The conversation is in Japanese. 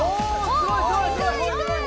すごいすごい。